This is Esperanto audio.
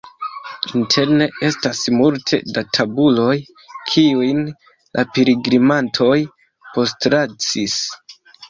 Interne estas multe da tabuloj, kiujn la pilgrimantoj postlasis.